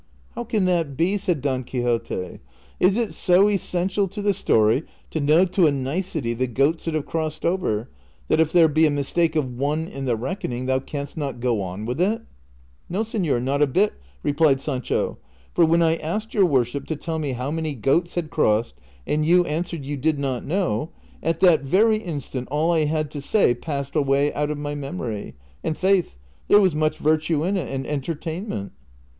" How can that be ?" said Don Quixote ;" is it so essential to the story to know to a nicety the goats that have crossed over, that if there be a mistake of one in the reckoning, thou canst not go on with it ?"" No, senor, not a bit," replied Sancho ;" for when I asked your worship to tell me how many goats had crossed, and you answered you did not know, at that very instant all I had to say passed away out of my memory, and faith, there was much virtue in it, and entertainment."